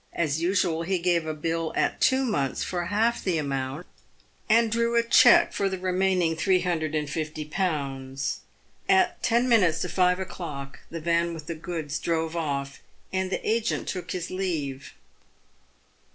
As usual, he gave a bill at two months for half the amount, and drew a cheque for the remaining 350Z. At ten minutes to five o'clock, the van with the goods drove off, and the agent took his leave.